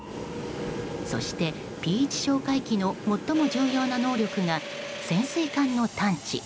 そして、Ｐ１哨戒機の最も重要な能力が潜水艦の探知。